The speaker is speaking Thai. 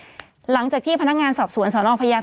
ผู้ต้องหาที่ขับขี่รถจากอายานยนต์บิ๊กไบท์